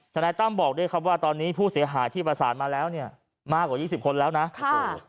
ธนายตั้มบอกด้วยว่าตอนนี้ผู้เสียหายที่ประสานมาแล้วมากกว่า๒๐คนแล้วนะ